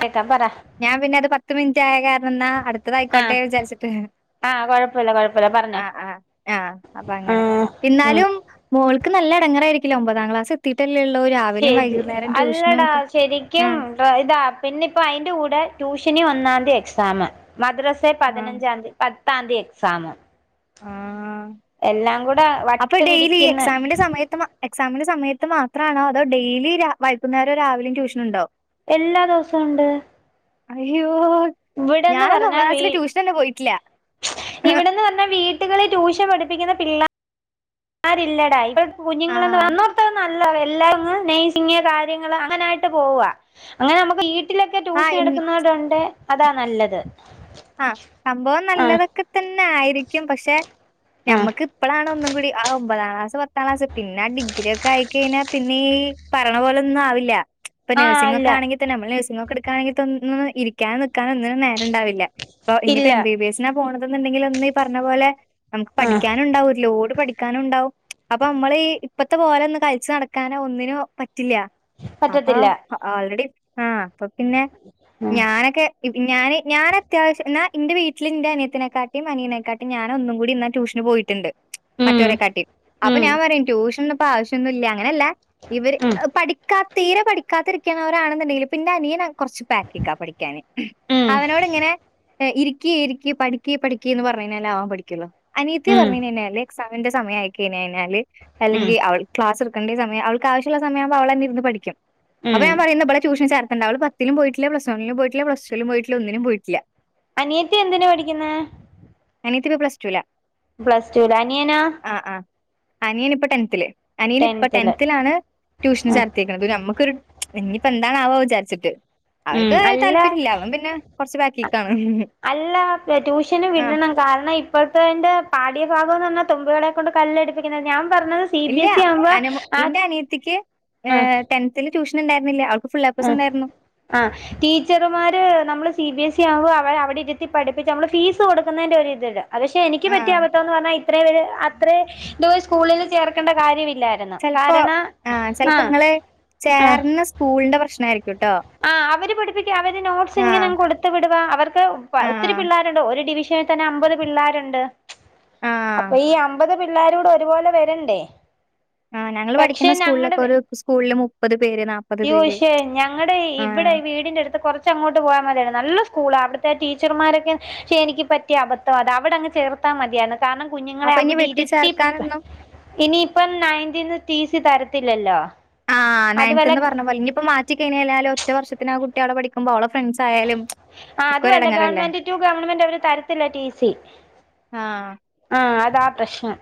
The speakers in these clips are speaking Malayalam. അയക്കാ പറ ഞാൻ പിന്നെ അത് പത്ത് മിനിറ്റ് ആയ കാരണം എന്നാ അടു അടുത്തതായിക്കോട്ടെ ആഹ് എന്ന് വിചാരിച്ചിട്ട് ആഹ് കൊഴപ്പല്ല കൊഴപ്പല്ല പറഞ്ഞോ ആഹ ആഹ് ആഹ അപ്പൊ അങ്ങനെ, എന്നാലും മോൾക്ക് നല്ല ഇടങ്ങറ ആയിരിക്കില്ലെ ഒമ്പതാം ക്ലാസ് എത്തിട്ടല്ലെ ള്ളൂ രാ ശരി അല്ലടാ ശരിക്കും ആഹ് ഇതാ പിന്നെ ഇപ്പോ അതിന്റെ കൂടെ ട്യൂഷന് ഒന്നാം തിയതി എക്സാം മദ്രസ്.. ആഹ് പതിനഞ്ചാംതി പത്താംതി എക്സാമ്. ആഹ് എല്ലാം കൂടെ അപ്പൊ വട്ട് ഡെയിലി ഈ പിടിക്കുന്ന എക്സാമിന്റെ സമയത്ത് മാ എക്സാമിന്റെ സമയത്ത് മാത്രമാണോ അതോ ഡെയിലി വൈകുന്നേരം രാവിലേം ട്യൂഷൻ ഉണ്ടോ? എല്ലാ ദിവസവും ഉണ്ട് അയ്യോ ഇവിടെന്ന് ഞാനൊന്നും പറഞ്ഞാ വീ ക്ലാസ്സില് ട്യൂഷനന്നെ പോയിട്ടില്ല. ഇവിടെന്ന് പറഞ്ഞ വീട് ടുകളിൽ ട്യൂഷൻ പഠിപ്പിക്കുന്ന പിള്ള ള്ളാരി ല്ലെടാ ഇവിടെ ആഹ് കുഞ്ഞുങ്ങള എല്ല നേഴ്സിങ് കാര്യങ്ങള് അങ്ങനായിട്ട് പോവ അങ്ങനെ നമുക്ക് ഈ വീട്ടിലൊക്കെ ആഹ് ട്യൂഷൻ ഇൻ എടുക്കുന്ന വരുണ്ടേ അതാ നല്ലത്. ആഹ്, സംഭവം ആഹ് നല്ലതൊക്കെ തന്നെ ആയിരിക്കും പക്ഷെ ആഹ് ഞമ്മക്ക് ഇപ്പഴാണ ഒന്നും കൂടി ആഹ് ഒമ്പതാം ക്ലാസ് പത്താം ക്ലാസ് പിന്നെ ഡിഗ്രി ഒക്കെ അയി ക്കഴിഞ്ഞൽ പിന്നെ ഈ പറണ പോലെ ഒന്നും ആവില്ല ഇപ്പം ആഹ് നേഴ്സിങ് ഇല്ല ഒക്കെ ആണെങ്കിൽ തന്ന നമ്മ നേഴ്സിങ് ഒക്കെ എടുക്കാണെങ്കിൽ തന്നെ ഇരിക്കാൻ നിക്കാൻ ഒന്നും നേര ഉണ്ടാവില്ല ഇപ്പൊ ഇനിയിപ്പോ ഇല്ല എം ബി ബി എസിനാ പോണതെന്നുണ്ടെങ്കിൽ ഒന്ന് ഈ പറഞ്ഞ പോലെ നമുക്ക് ആഹ് പഠിക്കാൻ ഉണ്ടാവൂലോട് പഠിക്ക ക്കാനുണ്ടാവും അപ്പൊ നമ്മൾ ഇപ്പത്തെ പോലെ ഒന്നും കളിച്ചു നടക്കാനോ ഒന്നിനും പറ്റില്ല. അപ്പ പറ്റത്തില്ല ആൾറെഡി, ആഹ് അപ്പൊ, പിന്നെ, ഉം ഞാനൊ ക്കെ ഞാന് ഞാന എന്നാ എന്റെ വീട്ടിൽ ന്റെ അനിയത്തിനെക്കാട്ടിയും അനിയെക്കാട്ടിയും ഞാൻ ഒന്നും കൂടി ഇന്നാ ട്യൂഷന് പോയിട്ടുണ്ട്. ഉം മറ്റോരെ കാട്ടി അപ്പൊ ഉം ഞാൻ പറയും, ട്യൂഷനൊന്നും ഇപ്പ ആവശ്യൊന്നും ഇല്ല. അങ്ങനല്ല. ഇവര് ഉം പഠിക്കാത്ത തീരെ പഠിക്കാത്തിരിക്കണ വരാണെന്നുണ്ടെങ്കില് പിന്നെ അനിയന കൊറച്ച് ബാക്കിക്കാ പഠിക്ക ക്കാന്. ഉം അവനോടിങ്ങനെ. ഇരിക്കേ, ഇരിക്കേ പഠിക്കേ, പഠിക്കേ എന്ന് പറഞ്ഞ് കഴഞ്ഞാൽ അവൻ പഠിക്കുള്ളോ. അനീയതി ന്ന് ഉം പറഞ്ഞു കഴിഞാല്. സവന്റെ സമയ ആയി കഴിഞ്ഞ കഴഞ്ഞാല് ഉം അല്ലെങ്കി അവള് ക്ലാസ് എടുക്കണ്ട സമയം അവൾക്ക് ആവശ്യള്ള സമയകുമ്പോ അവളന്നെ ഇരുന്ന് പഠിക്കും അപ്പൊ ഉം ഞാൻ പറയ ഇന്ന് ഇവളെ ട്യൂഷന് ചേർക്കണ്ട അവള് പ പത്തിലും പോയിട്ടില്ല പ്ലസ് വണിലും പോയിട്ടില്ല പ്ലസ് ടുലും പോയിട്ടില്ല ഒന്നിനും പോയിട്ടില്ല അനിയത്തി എന്തിനാ പഠിക്കുന്നെ അനിയത്തി പ്ലസ്ടൂവില പ്ലസ് ടു ല് അനിയനാ ആ അനിയൻ ഇപ്പ ടെൻത്തില് അനിയൻ ഇപ്പൊ ടെൻത്തില് ടെൻത്തിലാണ് ട്യൂഷന് ഉം ചേർത്തെ [unintelligible] ഞമ്മക്കൊരു ഇനിയിപ്പോ എന്താണാവോ വിചാരിച്ചിട്ട് ഉം അവനിക്ക് അല്ല താല്പര്യമില്ല അവൻ പിന്നെ കുറച്ച് ബാക്കി അല്ല ട്യൂഷന് ആ വിടണ കാരണം ഇപ്പോഴത്തെന്റെ പാട്യഭാഗംന്ന് പറഞ്ഞാ തുമ്പികളെ കൊണ്ട് കല്ലടിപ്പിക്കുന്നത് ഞാൻ പറഞ്ഞത് സി ബി ഇല്ല്യ എസ് ഇ ആവുമ്പോ അനമു ആ ഇന്റെ അനിയത്തിക്ക് ആ ഏഹ് ട്ടൻ ത്തില് ട്യൂഷൻ ഉണ്ടായിരുന്നില്ല അവക്ക് ഫുൾ എ പ്ലസ് ഉണ്ടായിരുന്നു ആഹ് ടീച്ചർമാര് നമ്മള് സി ബി എസ് ഇ ആവുമ്പോ അവര് അവിടെ ഇരുത്തി പഠിപ്പിച്ച് നമ്മള് ഫീസ് കൊടുക്കുന്നതിന്റെ ഒരു ഇതില് അത് ക്ഷെ എനിക്ക് ആ പറ്റിയാ അബദ്ധം എന്ന് പറഞ്ഞാ ഇത്രയും പേര് അത്ര ദു സ്കൂളിൽ ചേർക്കേണ്ട കാര്യമില്ലായിരുന്നു ചെൽപ്പോ കാരണം ആഹ് ആ ചിലപ്പോ ഇങ്ങള് ചേർന്ന സ്കൂളിന്റെ പ്രശ്ന ആയിരിക്കുട്ടോ ആഹ് അവര് പഠിപ്പിക്ക അവര് നോട്ട്സ് ഇങ്ങനെ കൊടുത്തു വിടവാ അവർക്ക് ആ ഒത്തിരി പിള്ളേർ ര്ണ്ട് ഒരു ഡിവിഷനിൽ തന്നെ അമ്പത് പിള്ളേരുണ്ട് ആ അപ്പ ഈ അമ്പത് പി പിള്ളേരോട് ഒരുപോലെ വരണ്ടേ ആഹ് ഞങ്ങള് പക്ഷെ പഠിക്കുന്ന ഞങ്ങടെ സ്കൂളിലൊക്കെ ഒരു സ്കൂളില് മുപ്പത് പേര് നാപ്പത് പേര് ങ്ങടെ ഇവിടെ ആഹ് ഈ വീടിന്റെ അടുത്ത് കുറച്ച് അങ്ങോട്ട് പോയാ മതി നല്ല സ്കൂളാ അവിടുത്തെ ടീച്ചർമാരൊക്കെ ക്ഷെ എനിക്ക് പറ്റിയ അബദ്ധം അത അവിടെ അങ്ങ് ചേർത്താ മതിയാന്ന് കാരണം കുഞ്ഞുങ്ങളെ അപ്പൊ ഇനി അവിടെ ഇരുത്തി പ വെട്ടിച്ചേർക്കാനൊന്നും ഇനിയിപ്പം നയൻതീന്ന് ടി സി തരത്തില്ലല്ലോ ആഹ് അതുവല്ല നയൻത്ത്ന്ന് പറഞ്ഞ പോലെ ഇനിയിപ്പ മാ റ്റി കഴഞ്ഞായാലും ഒറ്റ വർഷത്തിന് ആ കുട്ടികളവിടെ പഠിക്കുമ്പോൾ അവളെ ഫ്രണ്ട്സ് ആയാലും ആഹ് ഒക്കെ ഒരു അതുംല്ല എടങ്ങേറല്ലേ ഗവൺമെന്റ് ടു ഗവൺമെന്റ് അവര് തരത്തില്ല ടി സി ആഹ് ആഹ് അതാ പ്രശ്നം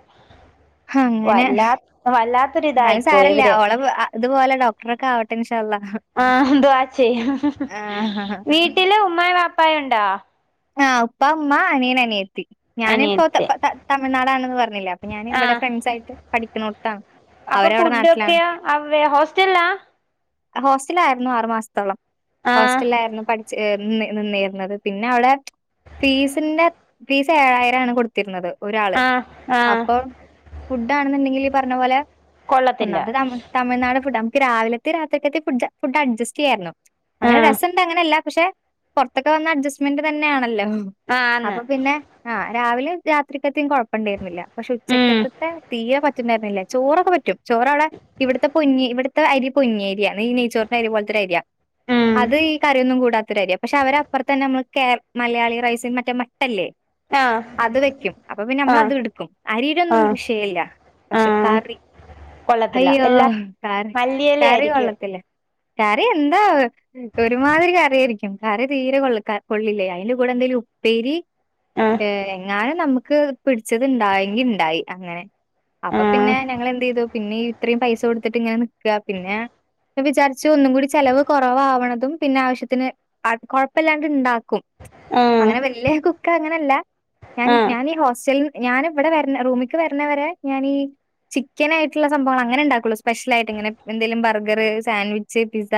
അങ്ങനെ വല്ലാ വല്ലാത്തൊരി എന്നാലും ഇതായിപ്പോയി സാരല്ല ഇവര് ഓളെ ഇതുപോലെ ഡോക്ടറക്കെ ആവട്ടെ ഇൻശാഅള്ള ആഹ് എതുവാച്ച്യ ആഹ് വീട്ടില് ഉമ്മായും വാപ്പായും ഉണ്ടോ ആഹ് ഉപ്പ മ്മ അനിയന് അനിയ ഞാനിപ്പോ അനിയത്തി ത തമിഴ്നാടാണെന്ന് പറഞ്ഞില്ലേ അപ്പൊ ഞാൻ ഇവിടെ ആഹ് ഫ്രണ്ട്സ് ആയിട്ട് പഠിക്കുന്നോടത്താണ് അപ്പൊ അവരവിടെ ഫുഡ്ഡ്ഒക്കെയ വേ ഹോസ്റ്റലാ ഹോസ്റ്റല്ലായിരുന്നു ആറുമാസത്തോളം ആഹ് ഹോസ്റ്റല്ലാരുന്നു പടി ചെ ന്നി നിന്നിർന്നത് പിന്നെ അവടെ ഫീസിന്റെ ഫീസ് ഏഴായിരാണ് കൊടുത്തിരുന്നത് ഒരാള് ആഹ് ആഹ് അപ്പൊ ഫുഡാണെന്നുണ്ടെങ്കിൽ ഈ പറഞ്ഞ പോലെ കൊള്ളത്തില്ല ഒന്നാമ്ത്ത [unintelligible] തമിഴ്നാട് ഫുഡ് നമുക്ക് രാവിലത്തെ രാത്രിതെ ഫുഡ്‌ ഫുഡ്ഡ്ട്ജസ്റ്റ്യ്യായിരുന്നു അങ്ങനെ ആഹ് രസംണ്ട് അങ്ങനെല്ല പക്ഷെ പൊർത്തക്കെ വന്ന അഡ്സ്റ്റ്മെന്റ് തന്നെയാണല്ലോ ആന്ന് അപ്പൊ പിന്നെ ആഹ് രാവിലെ രാത്രിക്കത്തിം കുഴപ്പുണ്ടായിരുന്നില്ല പക്ഷെ ഉം ഉച്ചക്കത്തെ തീരെ പറ്റിണ്ടായിരുന്നില്ല ചോറൊക്കെ പറ്റും ചോറ് അവിടെ ഇവിടുത്തെ പൊന്നി ഇവിടുത്തെ അരി പൊന്നിയേരിയ ഈ നെയ്ച്ചോറിന്റെ അരി പോലത്തെരിയ ഉം അത് ഈ കറിയൊന്നും കൂടാത്തൊരരിയ പക്ഷെ അവരപ്പുറത്തന്നെ നമ്മ കേ മലയാളി റൈസും മറ്റേ മ അല്ലേ ആഹ് അത് വെക്കും അപ്പൊ പിന്നെ നമ്മള് ആഹ് അത്ടുക്കും അരിയിലൊന്നും ആഹ് വിഷയല്ല പക്ഷേ ആഹ് കറി കൊള്ളത്തില്ല അയ്യോ എല്ലാ കറി മല്ലിയില കറി ആയിരിക്കും കൊള്ളത്തില്ല കറി എന്താവോ ഒരു മാതിരി കറിയായിരിക്കും കറി തീരെ കൊള്ളുക്കാ കൊള്ളില്ലേ അയിന്റെ കൂടെ എന്തെേലും ഉപ്പേരി ആഹ് ഏഹ് എങ്ങാനും നമുക്ക് പിടിച്ചത് ഇണ്ടായെങ്കിൽ ഇണ്ടായി അങ്ങനെ അപ്പൊ ആഹ് പിന്നെ ഞങ്ങളെ എന്ത്യ്തു പിന്നെ ഇത്രയും പൈസ കൊടുത്തിട്ട് ഇങ്ങനെ നിക്കാ പിന്നെ പിന്നെ വിചാരിച്ചു ഒന്നും കൂടി ചെലവ് കൊറവവാണതും പിന്നെവശ്യത്തിന് കുഴപ്പല്ലാണ്ട് ഇണ്ടാ ക്കും ആഹ് അങ്ങനെ വലിയ കുക്ക് അങ്ങനെയല്ല ഞാൻ ആഹ് ഞാൻ ഈ ഹോസ്റ്റൽ ഞാനിവിടെ വരുന്ന റൂമിക്ക് വരുന്നവരെ ഞാനീ ചിക്കൻ ആയിട്ടുള്ള സംഭവങ്ങൾ അങ്ങനെ ഉണ്ടാക്കുള്ളൂ സ്പെഷ്യൽ ആയിട്ട് ഇങ്ങനെ എന്തെേലും ബർഗർ സാൻവിച്ച് പിസ്സ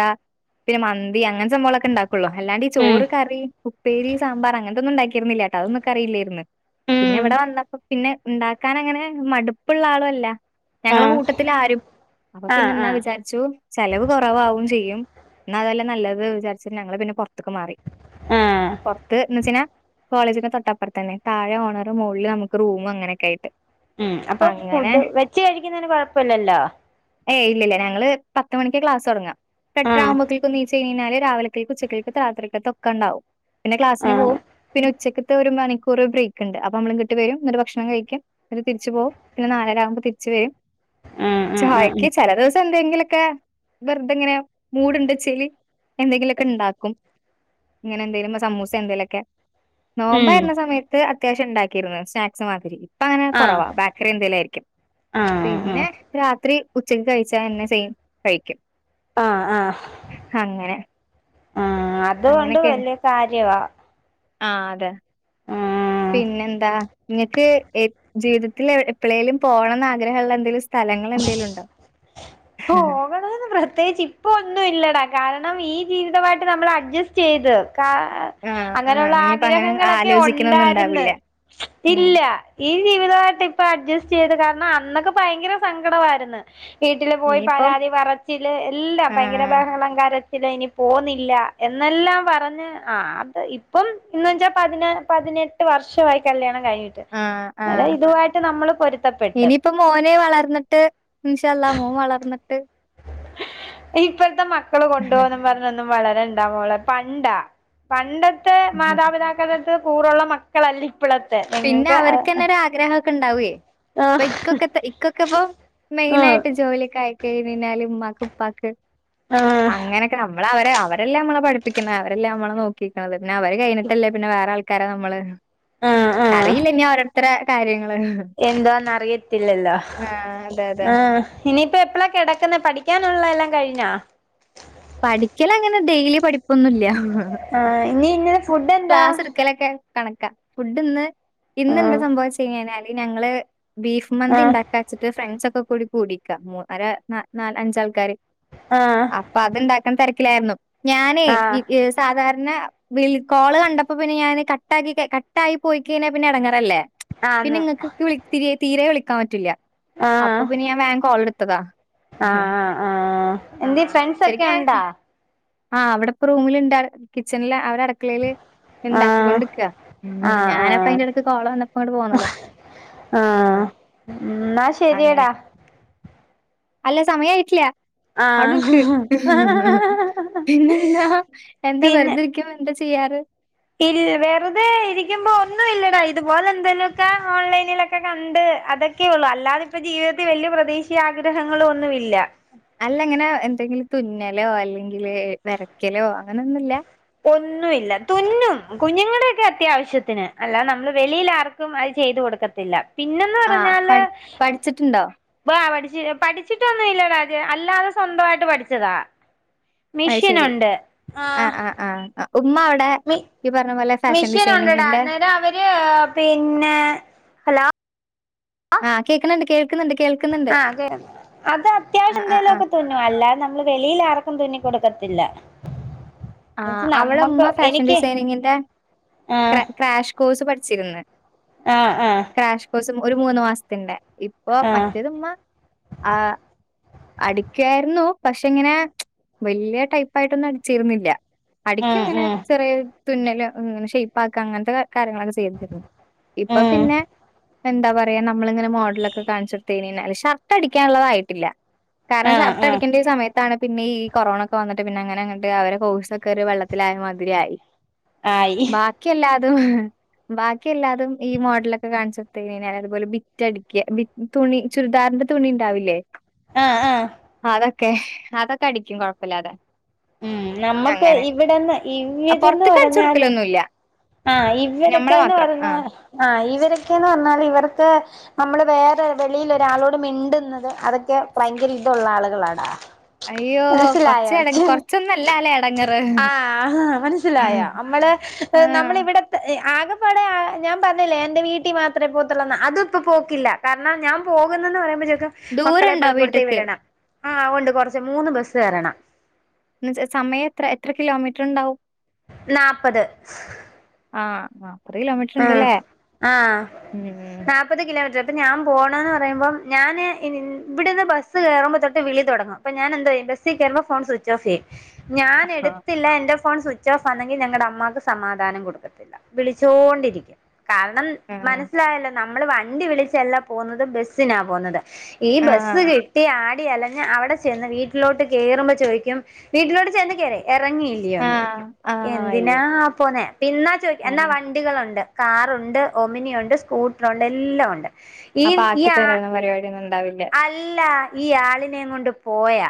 പിന്നെ മന്തി അങ്ങനെ സംഭവളൊക്കെ ഉണ്ടാക്കുള്ളൂ അല്ലാണ്ട് ഈ ഉം ചോറ് കറി ഉപ്പേരി സാമ്പാർ അങ്ങനത്തൊന്നും ഉണ്ടാക്കിരുന്നില്ലേട്ടോ അതൊന്നും എനിക്ക്റിയില്ലായിരുന്നു. പിന്നെ ഉം ഇവിടെ വന്നപ്പോ പിന്നെ ഉണ്ടാക്കാൻ അങ്ങനെ മടുപ്പുള്ള ആളും അല്ല ഞങ്ങളെ ആഹ് കൂട്ടത്തിലാരും അപ്പൊ പിന്നെ ആഹ് എന്നാ ആഹ് വിചാരിച്ച ചു ചെലവ് കൊറവാവും ചെയ്യും എന്ന അതല്ലെ നല്ലത് വിചാരിച്ചിട്ട് ഞങ്ങള് പിന്നെ പോർത്ക്ക് മാറി ആഹ് പൊത്ത് എന്ന് വച്ചാഞ കോളേജിന്റെ തൊട്ടപ്പുറതന്നെ താഴെ ഓണർ മോളിൽ നമുക്ക് റൂമും അങ്ങനെൊക്കെയി ഉം അപ്പൊ ഫുഡ് വെച്ച് കഴിക്കുന്നതിന് കൊഴപ്പില്ലല്ലോ ഏയ് ഇല്ല ഇല്ല ഞങ്ങള് പത്ത് മണിക്ക് ക്ലാസ് തുടങ്ങ ആഹ് എട്ടാറാവുമ്പോതേക് നീച്ച് കഴിഞ്ഞാൽ രാവിലക്കക്ക് ഉച്ചക്കക്ക് രാത്രിരിക്കത്തെ ഒക്കെ ഇണ്ടാവും പിന്നെ ക്ലാസ്സിന് ആഹ് പോവും പിന്നെ ഉച്ചയ്ക്ക്ത്തെ ഒരു മണിക്കൂർ ബ്രേക്ക് ഉണ്ട് അപ്പൊ നമ്മളും ഇങ്ങട്ട് വരും എന്നിട്ട് ഭക്ഷണം കഴിക്കും തിരിച് പോവും പിന്നെ നാലര ആകുമ്പോ തിരിച്ചു വരും ഉം ഉം ഉം ചായക്ക് ഉം ചെല ദിവസം എന്തെങ്കിലൊക്കെ വെറുതെങ്ങനെ മൂട് ഉണ്ട്ചെൽ എന്തെങ്കിലുക്കെണ്ടാക്കും ഇങ്ങനെ എന്തെങ്കിലും സമൂസ എന്തെങ്ങ്കിലുക്കെ ഉം നോമ്പായിരുന്ന സമയത്ത് അത്യാവശ്യം ഉണ്ടാക്കിയിരുന്നു സ്നാക്സ് മാതിരി ഇപ്പ അങ്ങനെ ആഹ് കൊറവാ ബാക്കറി എന്തെങ്കിലായിരിക്കും ആഹ് പിന്നെ രാത്രി ഉച്ചക്ക് കഴിച്ചാ അയെന്നെ സെയിം കഴിക്കും ആഹ് ആഹ് അങ്ങനെ ആഹ് അതുകൊണ്ട് അങ്ങനെയൊക്കെയാണ്. വല്യ കാര്യവാ ആഹ് അതെ ആഹ് പിന്നെന്താ ഇ. ങ്ങക്ക് ജീവിതത്തിൽ എവിടെ എപ്പളേലും പോണംന്ന് ആഗ്രഹള്ള എന്തെങ്കിലും സ്ഥ പോകണന്ന് പ്രത്യേകിച്ചി - ഇപ്പോ ഒന്നും ഇല്ലടാ കാരണം ഈ ജീവിതവായിട്ട് നമ്മള് അഡ്ജസ്- - സ്റ്റ് ചെയ്ത് കാ ആഹ് ആഹ് അങ്ങനെള്ള ഇനിയിപ്പ അങ്ങനെ ആഗ്രഹങ്ങളൊക്കെ ആലോചിക്കണൊന്നും ഓണ്ടാര്ന്ന് ഉണ്ടാവില്ല. ഉം ഇല്ല ഈ ജീവിതവായിട്ട് ഇപ്പ അഡ്ജസ്റ്റ് ചെയ്ത് കാരണം അന്നൊക്കെ ഭയങ്കര സങ്കടവായ്ര്ന്ന് വീട്ടില് പോയി ഇനിയിപ്പം പരാതി പറച്ചില് എല്ലാം ഭയങ്കരം ആഹ് ബഹളം കര തില്ല ഇനി പോന്നില്ല എന്നെല്ലാം പറഞ്ഞ് ആ അത് ഇപ്പം ഇന്ന് വെച്ചാ പതിന പതിനെ- എട്ട് വർഷ്യവായി കല്യാണം കഴിഞ്ഞിട്ട് ആഹ് അന്നേരം ഇതുവായിട്ട് നമ്മള് പൊരുത്തപ്പെട്ട് ഇപ്പം മോനെ വളർന്നിട്ട് ഇൻഷാഅള്ള മോൻ വളർന്നട്ട് ഇപ്പഴത്തെ മക്കള് കൊണ്ടോന്ന് പറഞ്ഞൊന്നും വളരെണ്ടാ മോളെ പണ്ടാ- പണ്ടത്തെ മാതാപിതാക്കളാടുത്ത് കൂറുള്ള മക്കളല്ല ഇപ്പളത്തെ നിങ്ങൾക്ക് ആ- ആഗ്രഹക്കെ ഉണ്ടാവേ പയിക്കൊക്ക ഇക്കൊക്കെപ്പോ ഉം മെയിനായിട്ട് ജോലിയൊക്കെ ആയി കഴിഞ്ഞ് കയ്ഞാല് ഉമ്മാക്ക് ഉപ്പക്ക് ആഹ് അങ്ങനെ ക്ക്‌ നമ്മളാവരെ അവരെല്ലേ നമ്മള പഠിപ്പിക്കുന്നെ അവരെല്ലെ നമ്മളെ നോക്കിക്ക്ണത് പിന്നെ അവര് കഴിഞ്ഞിട്ടല്ലേ പിന്നെ വേറാൾ കാരെ നമ്മള് ആഹ് ആഹ് അറിയില്ലനി ഓരോത്തര കാര്യങ്ങള് എന്താന്ന് അറിയത്തില്ലല്ലോ ആഹ് അതെ അതെ ആ ഇനിയിപ്പ എപ്പളാ കിടക്കുന്നെ പഠിക്കാനുള്ളെയെല്ലാം കഴിഞ്ഞാ പഠിക്കല് അങ്ങനെ ഡെയിലി പഠിപ്പൊന്നുല്ല്യ ആഹ് ഇനി ഇന്നലെ ഫുഡ് എന്താ ക്ലാസ്സ് ട് ക്കലൊക്കെ കണക്കാ ഫുഡ് ന്ന് ഇന്ന് എന്താ ആഹ് സംഭവം ച്ച് കഴിഞ്ഞ യ്ഞ്ഞാല് ഞങ്ങള് ബീഫ് മന്തി ആഹ് ഇണ്ടാക്കച്ചിട്ട് ഫ്രണ്ട്സ് ഒക്കെ കൂടി കൂടിക്കാ മു അര നാ നാലാഞ്ചാൾക്കാര് ആഹ് അപ്പ അത്ണ്ടാക്കണ തെരാക്കിലാരുന്നു ഞാനേ ആഹ് ഈ സാധാരണ വിളി കോള് കണ്ടപ്പോ പിന്നെ ഞാനെ കട്ടാക്കി ക്കെ കട്ടായി പോയിക്കഴിഞ്ഞാ പിന്നെ എടാങ്ങേറല്ലേ പിന്നെ ആന്ന് ഇങ്ങക്ക് ക്ക് വിളി തിരി തീരെ വിളിക്കാൻ പറ്റില്ല ആഹ് അപ്പം പിന്നെ ഞാൻ വേ കോളെടുത്തതാ ആഹ് ആഹ് ആഹ് എന്തിയെ ആഹ് ഫ്രണ്ട്സോക്കെ ശരിക്കും ഉണ്ടാ ഞാൻ ആഹ് അവടെ പ്പ റൂമിലി ണ്ടാള് കിച്ചൺ ലാ അവര അട ക്കളേല് ആഹ് ഇണ്ടാക്കിക്കൊണ്ട്ക്ക ഉം ആഹ് ആഹ് ഞാനപ്പയ് ന്റെടയ്ക്ക് കോള് വന്നപ്പോ ഇങ്ങട്ട് പോന്നതാ ആഹ് ഇന്നാശെരിയടാ അങ്ങനെ. അല്ല സമയായിട്ടില്ല്യ ആഹ് പിന്നന്താ എന്താ പിന്നെ വെറുതിരിക്കുമ്പ എന്താ ചെയ്യാറ് ഇൽ വെറുതെ ഇരിക്കുമ്പോ ഒന്നും ഇല്ലടാ ഇതുപോലെ ന്തെലും ഒക്കെ ഓൺലൈനിലൊക്കെ കണ്ട് അത ക്കെയെള്ളൂ അല്ലാതിപ്പാ ജീവിതത്തി വല്ല്യ പ്രതീക്ഷീ ആഗ്രഹങ്ങളൊന്നുവില്ല അല്ല ഇങ്ങനെ എന്തെങ്കിലും തുന്നലോ അല്ലെങ്കില് വരയ്ക്കലോ അങ്ങനെയൊന്നുല്ല ഒന്നുവില്ല തുന്നും കുഞ്ഞുങ്ങടെക്കെ അത്യാവശ്യത്തിന് അല്ലാതെ നമ്മള് വെളിയിലാർ ക്കും അയ് ചെയ്ത് കൊടുക്കത്തില്ല പിന്നന്ന് ആ പറഞ്ഞാല് പഠി പഠിച്ചിട്ടുണ്ടോ? വാ പഠിച്ച് പഠിച്ചിട്ടൊന്നുല്ല ടാ ജ് അല്ലാതെ സ്വന്തവായിട്ട് പഠിച്ചതാ മിഷിനുണ്ട് ആഹ് ആഹ് ഉമ്മ അവിടെ ഈ പറ്ഞ്ഞ പോലെ ഫാഷൻ മിഷീന് ഉണ്ടെടാ ഡിസൈനിങ്ങിന്റെ അന്നേരം അവര് പിന്നെ ഹലോ ആഹ് കേക്ക്ന്ന്ണ്ട് കേൾക്ക്‌ന്ന്ണ്ട് കേൾ ആഹ് കേൾ അത് അത്യാവശ്യ ആ, എന്തെലും ആ. ഒക്കെ തുൻ ന്നു അല്ലാതെ നമ്മള് വെളിയിലാർക്കും തുന്നി കൊടുക്കത്തില്ല എന്ന് ആഹ് വെച്ച് അവിടെ നമ്മക്ക് ഉമ്മ ഫാഷൻ എനിക്ക് ഡിസൈനിങ്ങിന്റെ ക്ര ആഹ് ക്രഷ് കോഴ്സ് പഠിച്ചിര്ന്ന് ആഹ് ആഹ് ക്രാഷ് കോഴ്സും ഒരു മൂന്ന് മാസത്തിന്റെ ഇപ്പോ ആഹ് ആഹ് മറ്റേത് ഇമ്മ ആ അടിക്കാര്ന്നു പക്ഷെ ഇങ്ങനെ വല്യയ ടൈപ്പായിട്ടൊന്നും അടിച്ചിരുന്നില്ല ഉം അടിക്കുങ്ങനെ ഉം ചെറിയെ തുന്നല് ങ്ങനെ ഷെയ്പ്പാക്ക അങ്ങൻ ത്തൊക്കെ കാര്യങ്ങളൊക്ക ചെയ്ത്‌ തരുന്നു ഇപ്പ ഉം പിന്നെ എന്താ പറയാ നമ്മളിങ്ങനെ മോഡലൊക്കെ കാണിച്ചെടുത്ത് കയിഞ്ഞ യിഞ്ഞാല് ഷർട്ട് അടിക്കാനുള്ളതായിട്ടില്ല കാരണം ആഹ് ഷർട്ട് ആഹ് അടിക്കണ്ടയ സമയത്താണ് പിന്നെ ഈ കൊറോണൊക്കെ വന്നിട്ട് പിന്നെ അങ്ങനെ അങ്ങട്ട് അവരെ കോഴ് സൊ ക്കെ ഒര്‌ വെള്ളത്തിലായ മാതിരി ആയി ആയി ക്കി എല്ലാതും ബാക്കി എല്ലാതും ഈ മോഡലൊക്കെ കാണിച്ച് കൊട്ത്ത് കഴിഞ്ഞയ് ഞാല് അതുപോലെ ബിറ്റടിക്ക ബി തുണി ചുരിദാറിന്റെ തുണി ണ്ടാവില്ലേ ആഹ് ആഹ് അതൊക്കെ അതൊക്കെ അടിക്കും കുഴപ്പല്ലാതെ ഉം നമ്മക്ക് അങ്ങനെ ഇവിടെന്ന് [unintelligible] പൊറത്ത്ക്ക് അടിച്ചു പറഞ്ഞാല് കൊടുക്കലൊന്നുല്ല ആഹ് ഞമ്മളെ ഇവരൊക്കെന്ന് മാത്രം പറഞ്ഞാ ആഹ് ആഹ് ഇവരൊക്കെന്ന് പറഞ്ഞാൽ ഇവർക്ക് നമ്മള് വേറെ വെളിയിൽ ഒരാളോട് മിണ്ടുന്നത് അതൊക്കെ ഭയങ്കര ഇതുള്ള ആളുകളാണ് അയ്യോ കൊറച്ച് മനസ്സിലായോ എട ച്ച കൊറച്ചൊന്നല്ല ല്ലേ എടങ്ങേറ് ആഹ് മനസ്സിലായോ നമ്മള് ഹ് ആഹ് നമ്മള് ഇവിടെ ആകെപ്പാടെ ഞാൻ പറഞ്ഞില്ലേ എൻ്റെ വീട്ടി മാത്രേ പോത്തുള്ളെന്ന അത് ഇപ്പോ പോക്കില്ല കാരണം ഞാൻ പോകുന്നന്ന് പറയുമ്പോ ചോക്കും മക്കളെ ദൂരണ്ടോ പള്ളിക്കൂടുത്തേ വീട്ട്ക്ക് വിടണം ആഹ് ഉണ്ട് കുറച്ച് മൂന്ന് ബസ്സ് കേറണം ഇന്ന്ച്ചാ സമയം എത്ര എത്ര കിലോമീറ്റർണ്ടാവും നാപ്പത് ആഹ് നാപ്പത് ആഹ് കിലോമീറ്റർണ്ട്ല്ലേ ഉം പ്പത് കിലോമീറ്റർ അപ്പൊ ഞാൻ പോണന്ന് പറയ്മ്പം ഞാന് ഇവിടുന്ന് ബസ് കയറുമ്പോ തൊട്ട് വിളി തുടങ്ങും പ്പൊ ഞാന് എന്തോയ്യും ബസ്സി കേറുമ്പോൾ ഫോൺ സ്വിച്ച് ഓഫ് ചെയ്യു ഞാൻ ആഹ് എടുത്തില്ല എന്റെ ഫോൺ സു സുചോഫന്നെങ്കിൽ ഞങ്ങളുടെ അമ്മാക്ക് സമാധാനം കൊടുക്കത്തില്ല വിളിച്ചോണ്ടിരിക്കും കാരണം മനസ്സിലായല്ലോ നമ്മള് വണ്ടി വിളിച്ചല്ല പോകുന്നത് ബസ്സിനാ പോന്നത് ഈ ബസ് ആഹ് കിട്ടിയ ആ ട്ടി അലഞ് അവിടെ ചെന്ന് വീട്ടിലോട്ട് കേയറുമ്പോ ചോയ്ക്കും വീട്ടിലോട്ട് ചെന്ന് കേയറി ഇറങ്ങിയി ല്ല്യാന്ന് ആഹ് ചോയ്കു ആഹ് എന്തിനാ അയ്യേ പോന്നെ പി ന്നാ ചോയ്ക് എന്നാ ആഹ് വണ്ടികളുണ്ട് ണ്ട് കാറുണ്ട് ഒമിനിയ ഉണ്ട് സ്കൂട്ടർ ഉണ്ട് എല്ലാം ഉണ്ട് ഈ അപ്പൊ ഈ ആക്കി ആ തരും പരിപാടിയ ഒന്നും ഉണ്ടാവില്ല അല്ല ഈ ആളിനെ കൊണ്ട് പോയാ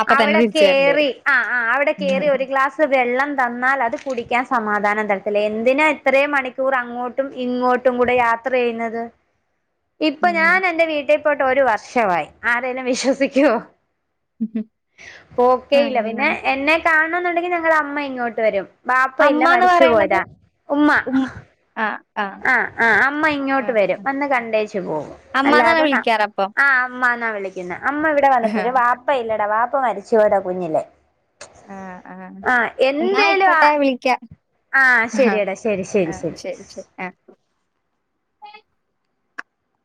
അപ്പൊ തന്നെ അവിടെ തിരിച്ചു വരേണ്ടി കേറി വരും ആഹ് ആഹ് അവിടെ കേറി ഒരു ഗ്ലാസ് സ്‌ വെള്ളം തന്നാൽ അത് കുടിക്കാൻ സമാധാനം തരത്തില്ല എന്തിനന ഇത്രേം മണിക്കൂർ അങ്ങോ ട്ടും ഇങ്ങോട്ടും കൂടെ യാത്ര ചെയ്യുന്നത് [inaudible] ഇപ്പൊ ഞാൻ എന്റെറെ വീട്ടിൽ പോട്ട് ഒരു വർഷമായി ആരെേലും വിശ്വസിക്കോ ഉ [inaudible] പെക്കെയില്ല പിന്നെ എന്നെ കാണന്നുണ്ടെങ്കി ഞങ്ങളെ അമ്മ ഇങ്ങോട്ട് വരും പാപ്പ ഇല്ല അമ്മാന്ന് മരിച്ചു പറയണത് പോയതാ ഉമ്മ ഉം ആഹ് ആഹ് ആഹ് അമ്മ ഇങ്ങോട്ട് ആഹ് വരും വന്ന് കണ്ടേച് പോകും അമ്മാന്നാണ് അല്ലാതെ ന വിളിക്കാറപ്പൊ ആഹ് അമ്മാന്നാ വിളിക്കുന്നെ അമ്മ ഇവിടെ ആഹ്. വന്നിട്ടരു വാപ്പ ഇല്ലടാ വാപ്പ മരിച്ചോയ്താ കുഞ്ഞിലെ ആഹ് എന്നാ എന്തേലും ആ ആയിക്കോട്ടെ വിളിക്കാം. ആഹ് ശെരിയടാ ശരി ശരി ശരി